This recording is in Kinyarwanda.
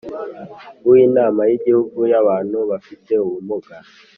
Uw inama y igihugu y abantu bafite ubumuga